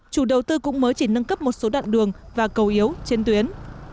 chủ đầu tư cũng mới chỉ nâng cấp một số đoạn đường và cầu yếu trên tuyến